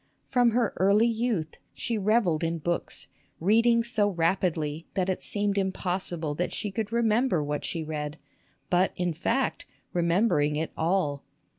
From her early youth she revelled in books, reading so rapidly that it seemed impossible that she could remember what she read ; but, in fact, remembering it all